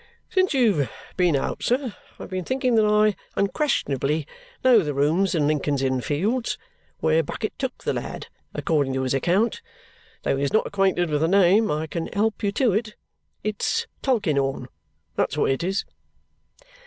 "Since you have been out, sir, I have been thinking that I unquestionably know the rooms in Lincoln's Inn Fields, where Bucket took the lad, according to his account. Though he is not acquainted with the name, I can help you to it. It's Tulkinghorn. That's what it is."